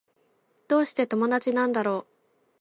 どうして友達なんだろう